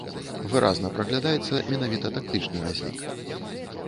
Выразна праглядаецца менавіта тактычны разлік.